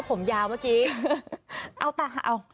ผมยาวเมื่อกี้